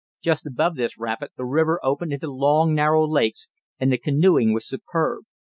Just above this rapid the river opened into long, narrow lakes, and the canoeing was superb.